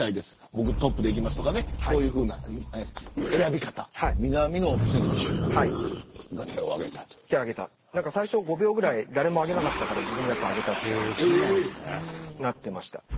僕がトップでいきますとかそういう選び方、南野選手最初５秒ぐらい誰も挙げなかったから自分が挙げたとなってました。